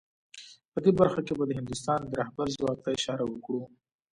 په دې برخه کې به د هندوستان د رهبر ځواک ته اشاره وکړو